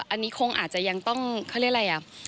อันนี้คงอาจจะยังต้องเขาเรียกอะไรอ่ะ